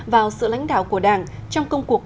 vào sự lãnh đạo của đảng trong công cuộc